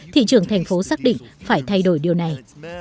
thị trường thành phố xác định phải thay đổi điều này